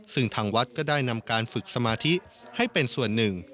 ซึ่งทางวัดก็ได้นำการฝึกสมาธิให้เป็นส่วนหนึ่ง